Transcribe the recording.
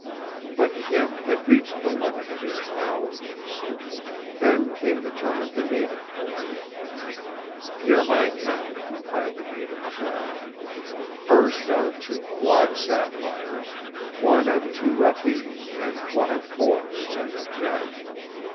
'" But Kim had reached the limit of his powers. Then came the turn of the native boy. "'Hear my count,' cried the native child. 'First are two flawed sapphires, one of two ruttes and one of four, as I should judge.